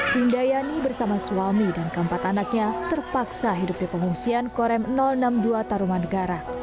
dindayani bersama suami dan keempat anaknya terpaksa hidup di pengungsian korem enam puluh dua taruman negara